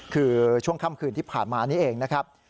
คือช่วงค่ำคืนที่ผ่านมานี้เองนะครับ